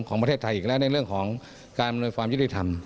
ของประเทศไทยอีกแล้วในเรื่องของการบริษัทธรรม